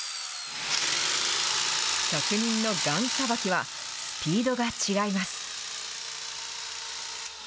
職人のガンさばきは、スピードが違います。